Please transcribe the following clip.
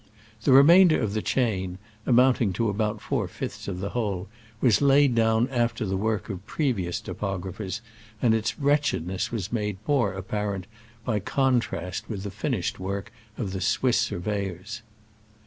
The remainder of the chain (amounting to about four fifths of the whole) was laid down after the work of previous topographers, *and its wretchedness was made more apparent by contrast with the finished work of the Swiss surveyors.